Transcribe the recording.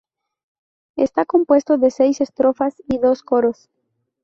Está compuesto de seis estrofas y dos coros.